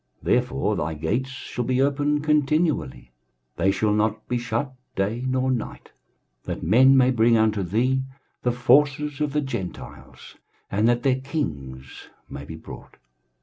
23:060:011 Therefore thy gates shall be open continually; they shall not be shut day nor night; that men may bring unto thee the forces of the Gentiles, and that their kings may be brought.